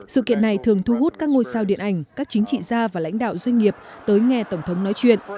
sự kiện này thường thu hút các ngôi sao điện ảnh các chính trị gia và lãnh đạo doanh nghiệp tới nghe tổng thống nói chuyện